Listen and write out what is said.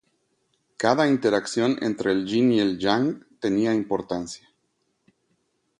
Cada interacción entre el "yin" y el "yang" tenía importancia.